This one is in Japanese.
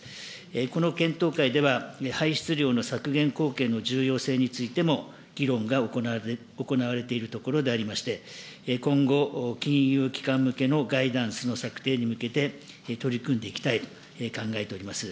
この検討会では、排出量の削減貢献の重要性についても議論が行われているところでありまして、今後、金融機関向けのガイダンスの策定に向けて、取り組んでいきたいと考えております。